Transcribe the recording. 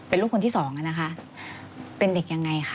เป็นลูกคนที่สองอ่ะนะคะเป็นเด็กยังไงคะ